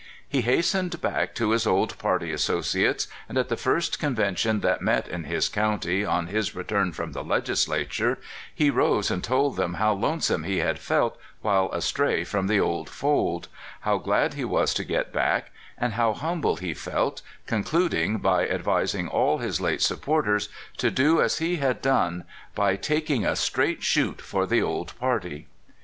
He hastened back to his old party associates, and at the first convention that met in his county on his return from the Legislature he rose and told them how lonesome he had felt while astray from the old fold, how glad he was to get back, and how humble he felt, concluding by advising all his late supporters to do as he had done by taking "a 262 CALIFORNIA SKETCHES. straight chute" for the old party.